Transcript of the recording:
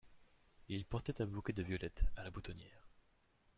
Il portait un bouquet de violettes a la boutonniere.